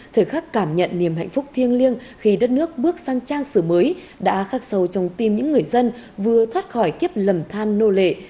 thời khắc cảm nhận niềm hạnh phúc thiêng liêng khi đất nước bước sang trang sử mới đã khắc sâu trong tim những người dân vừa thoát khỏi kiếp lầm than nô lệ